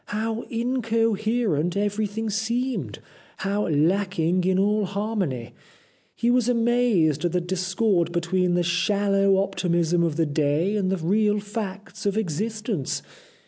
How incoherent everything seemed ! How lack ing in all harmony ! He was amazed at the discord between the shallow optimism of the day and the real facts of existence.